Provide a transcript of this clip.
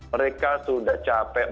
mereka sudah capek